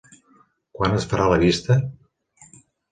Quan es farà la vista?